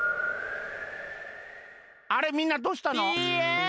あれみんなどうしたの？